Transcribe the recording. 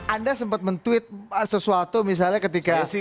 anda sempat mentweet sesuatu misalnya ketika